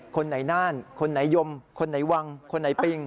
คนไหนน่านคนไหนยมคนไหนวังคนไหนปิง